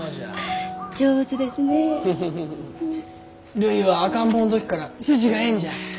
るいは赤ん坊の時から筋がええんじゃ。